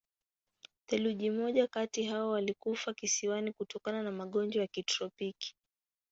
Theluji moja kati hao walikufa kisiwani kutokana na magonjwa ya kitropiki.